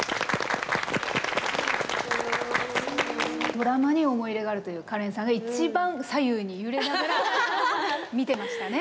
ドラマに思い入れがあるというかれんさんが一番左右に揺れながら見てましたね。